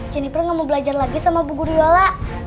jeniper nggak mau belajar lagi sama bu guru yola